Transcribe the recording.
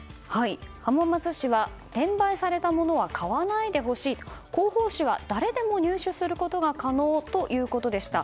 浜松市は転売されたものは買わないでほしい広報誌は誰でも入手することが可能ということでした。